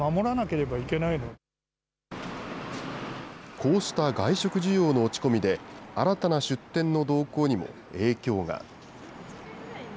こうした外食需要の落ち込みで、新たな出店の動向にも影響が。